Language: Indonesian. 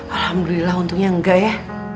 alhamdulillah untungnya enggak ya